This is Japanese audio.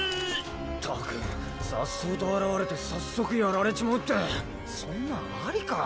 ったく颯爽と現れて早速やられちまうってそんなんありか？